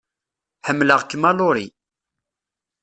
Ḥemmleɣ-kem a Laurie.